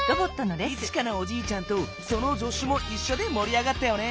イチカのおじいちゃんとその助手もいっしょでもり上がったよね。